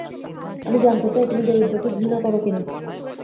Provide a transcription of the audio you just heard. আমি জানতে চাই তুমি দারিদ্র্যকে ঘৃণা কর কি না।